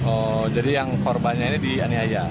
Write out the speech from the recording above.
oh jadi yang korbannya ini dianiaya